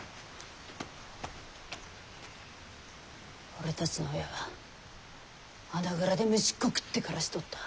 俺たちの親は穴蔵で虫っこ食って暮らしとった。